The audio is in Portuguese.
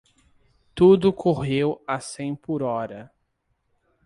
Tudo correu a cem por hora.